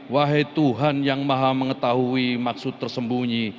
wahai tuhan yang maha mengetahui maksud tersembunyi